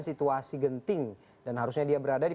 situasi genting dan harusnya dia berada di